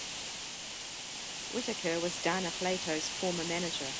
Whitaker was Dana Plato's former manager.